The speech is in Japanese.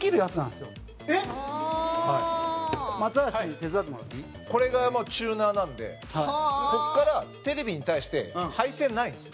土田：これがチューナーなんでここからテレビに対して配線ないんですよ。